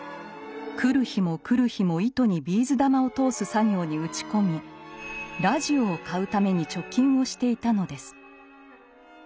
来る日も来る日も糸にビーズ玉を通す作業に打ち込みラジオを買うために貯金をしていたのです。